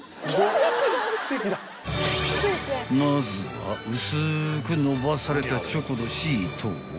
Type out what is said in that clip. ［まずは薄く延ばされたチョコのシートを］